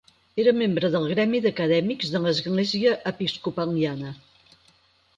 Era membre del Gremi d'Acadèmics de l'Església episcopaliana.